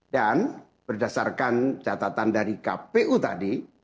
dan berdasarkan catatan dari kpu tadi